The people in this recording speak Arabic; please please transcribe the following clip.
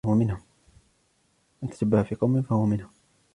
مَنْ تَشَبَّهَ بِقَوْمٍ فَهُوَ مِنْهُمْ